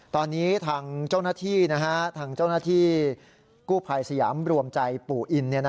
ตอนนี้ทางเจ้าหน้าที่กูภัยสยามรวมใจปู่อิน